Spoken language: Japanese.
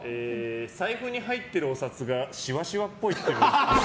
財布に入ってるお札がシワシワっぽい。